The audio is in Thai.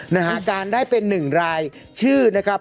จารย์ได้เป็น๑รายชื่อนะครับ